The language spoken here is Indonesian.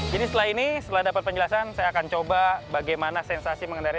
jadi setelah ini setelah dapat penjelasan saya akan coba bagaimana sensasi mengendarai